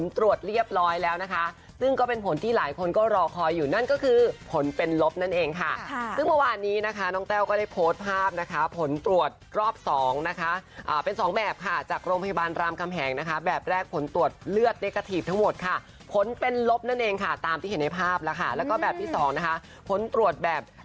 ตรวจเรียบร้อยแล้วนะคะซึ่งก็เป็นผลที่หลายคนก็รอคอยอยู่นั่นก็คือผลเป็นลบนั่นเองค่ะซึ่งเมื่อวานนี้นะคะน้องแต้วก็ได้โพสต์ภาพนะคะผลตรวจรอบสองนะคะเป็นสองแบบค่ะจากโรงพยาบาลรามคำแหงนะคะแบบแรกผลตรวจเลือดเล็กทีฟทั้งหมดค่ะผลเป็นลบนั่นเองค่ะตามที่เห็นในภาพแล้วค่ะแล้วก็แบบที่สองนะคะผลตรวจแบบ